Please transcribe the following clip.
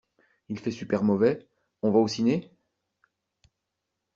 Il fait super mauvais, on va au ciné?